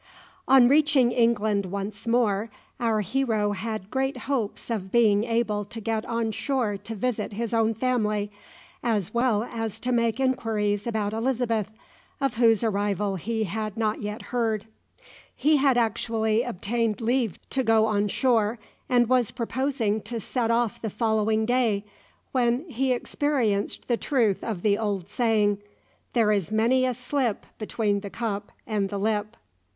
On reaching England once more our hero had great hopes of being able to get on shore to visit his own family, as well as to make inquiries about Elizabeth, of whose arrival he had not yet heard. He had actually obtained leave to go on shore, and was proposing to set off the following day, when he experienced the truth of the old saying, "There is many a slip between the cup and the lip."